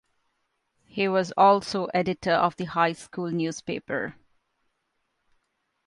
He was also editor of the high school newspaper.